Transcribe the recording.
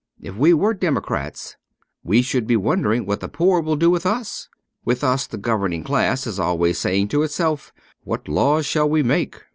If we were democrats, we should be wondering what the poor will do with us. With us the governing class is always saying to itself, * What laws shall we make